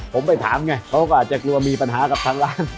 ผมไปถามไงเขาก็อาจจะกลัวมีปัญหากับทางร้าน